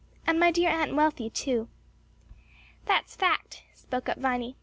"And my dear Aunt Wealthy too." "That's a fact," spoke up Viny.